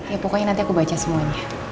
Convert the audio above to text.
ya pokoknya nanti aku baca semuanya